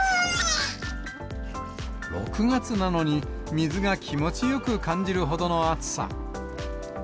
６月なのに、水が気持ちよく感じるほどの暑さ。